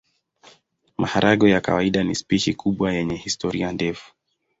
Maharagwe ya kawaida ni spishi kubwa yenye historia ndefu.